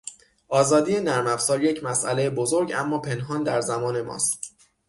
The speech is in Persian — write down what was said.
آزادی نرمافزار یک مساله بزرگ اما پنهان در زمان ماست.